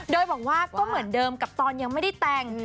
โดยบอกว่าก็เหมือนเดิมกับตอนยังไม่ได้แต่ง